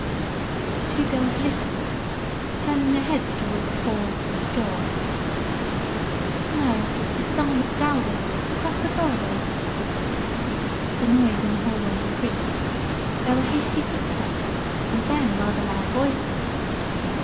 The two girls listened, turning their heads toward the hall entrance door. "No, it's someone over at the Dalwoods' across the corridor." The noise in the hallway increased. There were hasty footsteps, and then rather loud voices.